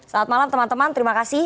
selamat malam teman teman terima kasih